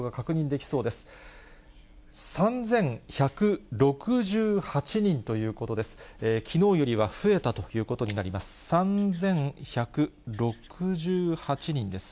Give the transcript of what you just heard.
きのうよりは増えたということになります。